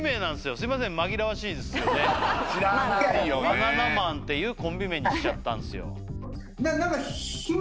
バナナマンっていうコンビ名にしちゃったんですよ。